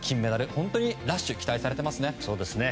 本当にラッシュが期待されていますね。